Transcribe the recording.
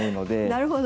なるほど。